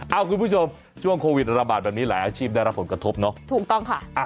คุณผู้ชมช่วงโควิดระบาดแบบนี้หลายอาชีพได้รับผลกระทบเนอะถูกต้องค่ะ